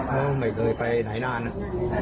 ไม่เคยไปไหนนานนะ